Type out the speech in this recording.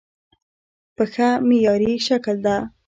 پښه معیاري شکل دی.